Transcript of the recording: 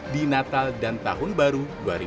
di natal dan tahun baru dua ribu dua puluh